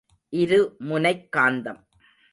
இரு முனைக் காந்தம்.